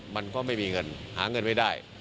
มันก็ไม่มีเงินหาเงินไม่ได้